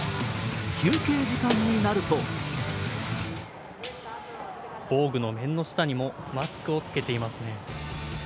休憩時間になると防具の面の下にもマスクを着けていますね。